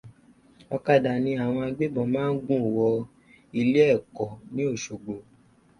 Ọkadà ní àwọn agbébọn máa ń gùn wọ ilé ẹ̀kọ́ ní Òṣogbo